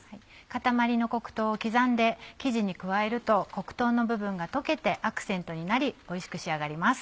塊の黒糖を刻んで生地に加えると黒糖の部分が溶けてアクセントになりおいしく仕上がります。